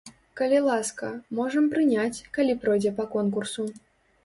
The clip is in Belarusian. Калі ласка, можам прыняць, калі пройдзе па конкурсу.